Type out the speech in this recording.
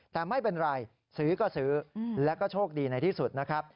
แต่ไม่เป็นไรซื้อก็ซื้อแล้วก็โชคดีในที่สุดนะครับ